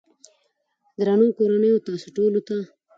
درنو کورنيو تاسو ټولو ته